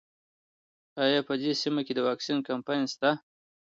ایا په دې سیمه کې د واکسین کمپاین شته؟